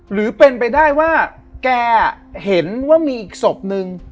หรือเป็นไปได้ว่าแกเห็นว่ามีอีกศพนึง